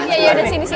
iya iya udah sini sini